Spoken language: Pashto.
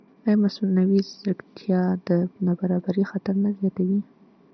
ایا مصنوعي ځیرکتیا د نابرابرۍ خطر نه زیاتوي؟